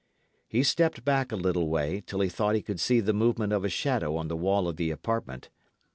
He stepped back a little way, till he thought he could see the movement of a shadow on the wall of the apartment.